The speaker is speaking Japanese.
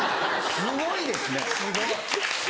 すごいですね。